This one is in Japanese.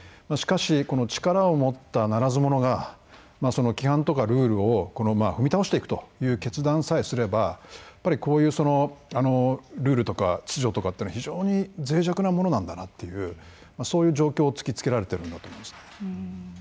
しかしこの力を持ったならず者が規範とかルールを踏み倒していくという決断さえすればやっぱりこういうルールとか秩序とかっていうのは非常にぜい弱なものなんだなっていうそういう状況を突きつけられているんだと思います。